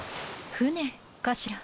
船かしら。